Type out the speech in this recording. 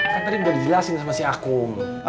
kan tadi udah dijelasin sama si akum